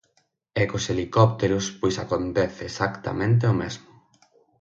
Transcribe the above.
E cos helicópteros pois acontece exactamente o mesmo.